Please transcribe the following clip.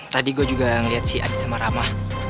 tadi gue juga ngeliat si adit sama rahma